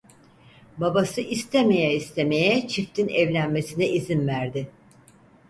Babası istemeye istemeye çiftin evlenmesine izin verdi.